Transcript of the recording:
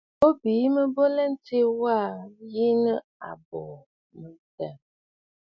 Bo bî mɔꞌɔ bɨ lɛtsù waꞌà yi nɨ̂ àbo mɔ̀ɔ̀ntə̀.